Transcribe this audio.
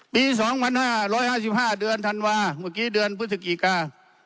ปีสองพันห้าร้อยห้าร้อยห้าสิบห้าเดือนธันวาส์เมื่อกี้เดือนพฤษกิกา